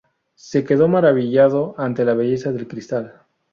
Se quedó maravillado ante la belleza del cristal.